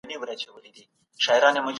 فيلسوفانو پخوا يوازې ژور تفکر کاوه.